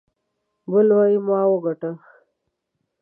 بل وايي ما وګاټه.